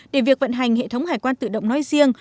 để việc vận hành hệ thống hải quan tự động nói riêng